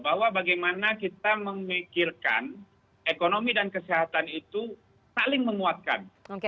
bahwa bagaimana kita memikirkan ekonomi dan kesehatan itu saling menguatkan